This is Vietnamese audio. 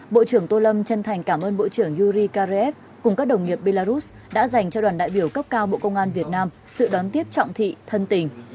bộ trưởng tô lâm chân thành cảm ơn bộ trưởng yuri kareev cùng các đồng nghiệp belarus đã dành cho đoàn đại biểu cấp cao bộ công an việt nam sự đón tiếp trọng thị thân tình